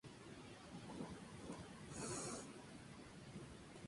Su mentor, Britney Spears, la escogió para competir en los shows en vivo.